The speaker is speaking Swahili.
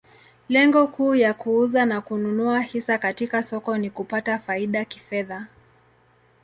Lengo kuu ya kuuza na kununua hisa katika soko ni kupata faida kifedha.